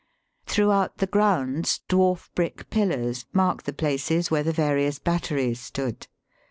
Throughout the grounds dwarf brick piUars mark the places where the various batteries stood.